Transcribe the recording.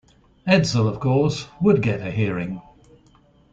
Edsel, of course would get a hearing.